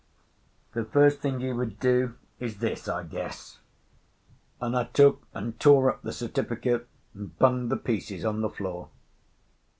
"The first thing he would do is this, I guess." And I took and tore up the certificate and bunged the pieces on the floor.